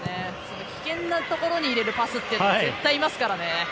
危険なところに入れるパスは絶対いますからね。